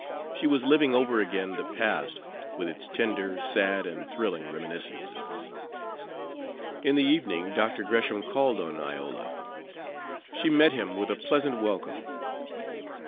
She was living over again the past, with its tender, sad, and thrilling reminiscences. In the evening Dr. Gresham called on Iola. She met him with a pleasant welcome. Dr.